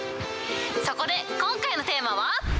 そこで、今回のテーマは。